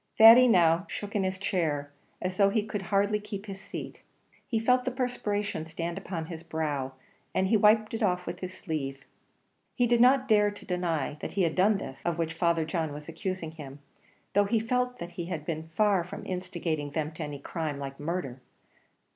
Thady now shook in his chair, as though he could hardly keep his seat; he felt the perspiration stand upon his brow, and he wiped it off with his sleeve; he did not dare to deny that he had done this, of which Father John was accusing him, though he felt that he had been far from instigating them to any crime like murder.